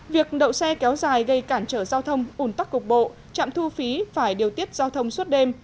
việc đậu xe kéo dài gây cản trở giao thông ủn tắc cục bộ trạm thu phí phải điều tiết giao thông suốt đêm